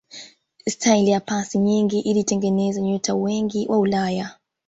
staili ya pasi nyingi ilitengeneza nyota wengi wa ulaya